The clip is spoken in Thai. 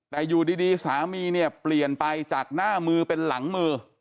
แต่อยู่ดีสามีเนี่ยเปลี่ยนไปจากหน้ามือเป็นหลังมือ